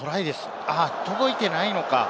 届いていないのか。